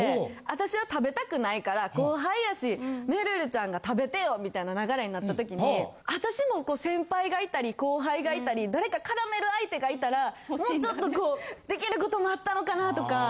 「私は食べたくないから後輩やしめるるちゃんが食べてよ」みたいな流れになったときに私もこう先輩がいたり後輩がいたり誰か絡める相手がいたらもうちょっとこう出来ることもあったのかなとか。